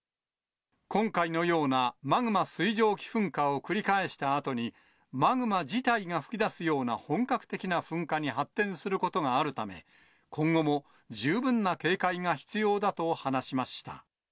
今回のようなマグマ水蒸気噴火を繰り返したあとに、マグマ自体が噴き出すような本格的な噴火に発展することがあるため、今後も十分な警戒が必要だと話しました。